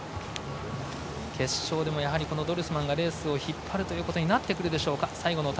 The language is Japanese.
決勝でもドルスマンがレースを引っ張ることになってくるでしょうか。